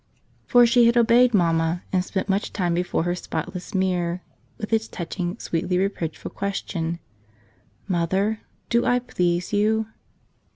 For she had obeyed Mamma and spent much time before her spotless mirror with its touching, sweetly reproachful question, "Mother, do I please you?"